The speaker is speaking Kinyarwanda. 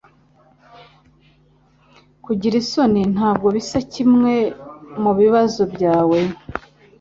Kugira isoni ntabwo bisa nkimwe mubibazo byawe.